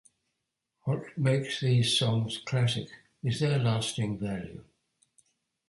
What makes these songs classic is their lasting value.